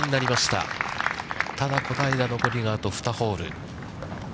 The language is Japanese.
ただ、小平、残りがあと２ホール。